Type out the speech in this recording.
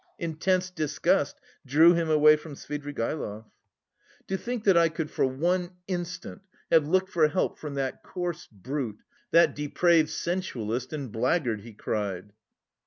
Intense disgust drew him away from Svidrigaïlov. "To think that I could for one instant have looked for help from that coarse brute, that depraved sensualist and blackguard!" he cried.